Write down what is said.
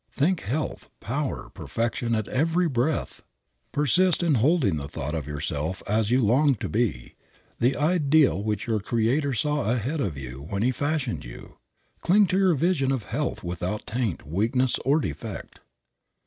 Think health, power, perfection at every breath. Persist in holding the thought of yourself as you long to be, the ideal which your Creator saw ahead of you when he fashioned you. Cling to your vision of health without taint, weakness or defect.